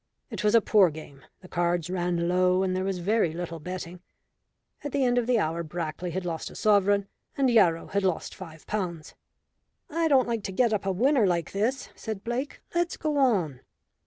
It was a poor game; the cards ran low, and there was very little betting. At the end of the hour Brackley had lost a sovereign, and Yarrow had lost five pounds. "I don't like to get up a winner, like this," said Blake. "Let's go on."